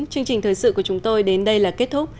chương trình thời sự của chúng tôi đến đây là kết thúc